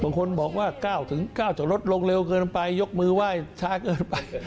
บางคนบอกว่า๙๙จากรถลงเร็วเกินไปยกมือไหว้ช้าเกินไป